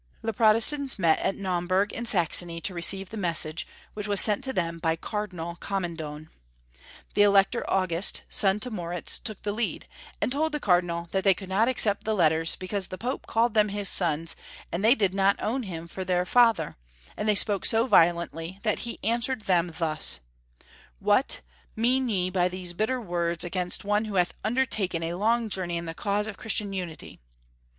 The Protestants met at Naum burg in Saxony to receive the message, wliich was sent to them by Cardinal Commendone. The Elector August, son to Moritz, took the lead, and told the Cardinal that they could not accept the letters because the Pope called them liis sons and they did not own him for their father; and they spoke so violently that he answered them thus —'' Wliat, mean ye by these bitter words against one who hath undertaken a long journey in the cause of Christian unity